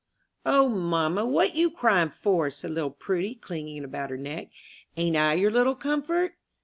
"O, mamma, what you crying for?" said little Prudy, clinging about her neck. "Ain't I your little comfort?